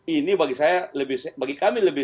ini bagi kami lebih